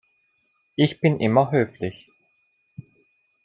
Ich bin immer höflich.